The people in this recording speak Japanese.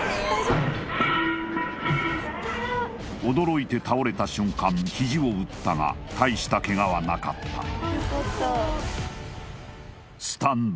驚いて倒れた瞬間ひじを打ったがたいしたケガはなかったスタンド